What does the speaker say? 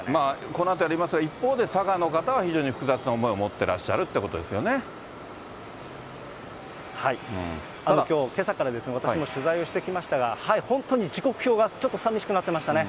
このあたり、一方で、佐賀の方は非常に複雑な思いを持っていらっしゃるというけさから私も取材をしてきましたが、本当に時刻表がちょっとさみしくなってましたね。